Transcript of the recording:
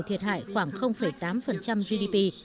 thiệt hại khoảng tám gdp